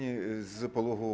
pertemuan dua puluh empat tuhan